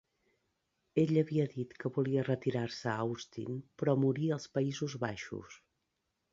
Ell havia dit que volia retirar-se a Austin però morir als Països Baixos.